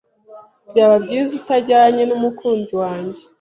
Byaba byiza utajyanye numukunzi wanjye.